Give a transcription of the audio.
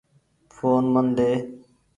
ڦون من ۮي۔